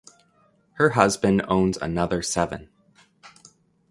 Her husband owns another seven.